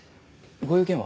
ご用件は？